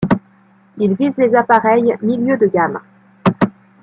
Il vise les appareils milieu de gamme.